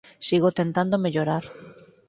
Sigo tentando mellorar.